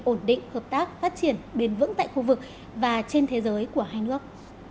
ổn định hợp tác phát triển bền vững tại khu vực và trên thế giới của hai nước